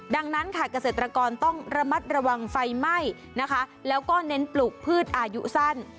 ดังนั้นค่ะเกษตรกรต้องระมัดระวังไฟไหม้นะคะแล้วก็เน้นปลูกพืชอายุสั้น